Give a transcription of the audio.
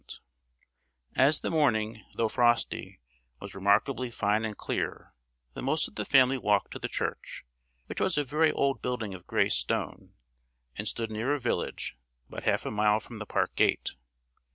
As the morning, though frosty, was remarkably fine and clear, the most of the family walked to the church, which was a very old building of gray stone, and stood near a village, about half a mile from the park gate.